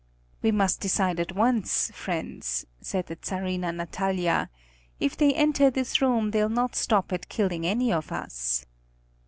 "We must decide at once, friends," said the Czarina Natalia. "If they enter this room they'll not stop at killing any of us."